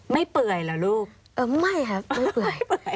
เปื่อยเหรอลูกเออไม่ครับไม่เปื่อย